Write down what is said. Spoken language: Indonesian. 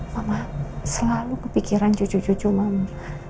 mama selalu kepikiran cucu cucu mama